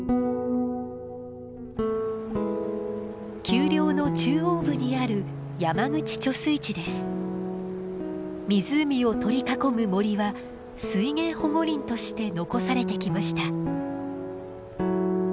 丘陵の中央部にある湖を取り囲む森は水源保護林として残されてきました。